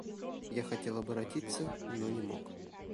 Я хотел оборотиться, но не мог.